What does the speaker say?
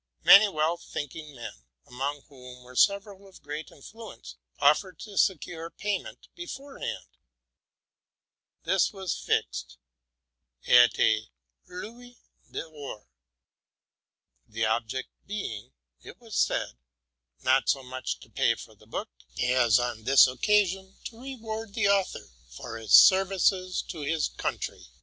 Many well thinking men, among whom were several of great influence, offered to secure payment eps pega This was fixed at a Louis dor, the object being, it was said, not so much to pay for the book, as on this" oceasion to reward the author for his services to his country.